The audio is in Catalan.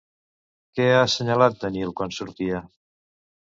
Què ha assenyalat Daniel quan sortia?